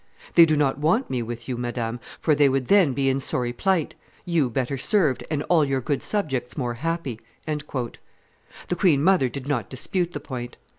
They do not want me with you, madame, for they would then be in sorry plight, you better served, and all your good subjects more happy." The queen mother did not dispute the point.